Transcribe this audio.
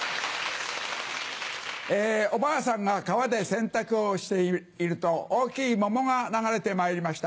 えおばあさんが川で洗濯をしていると大きい桃が流れてまいりました。